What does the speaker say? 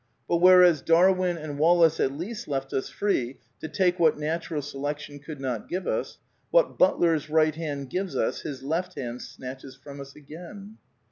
But, whereas Darwin and Wal lace at least left us free to take what Natural Selection could not give us, what Butler's right hand gives us his left hand snatches from us again.